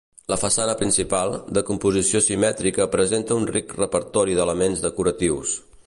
La façana principal, de composició simètrica presenta un ric repertori d'elements decoratius.